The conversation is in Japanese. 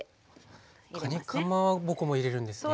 かにかまぼこも入れるんですね。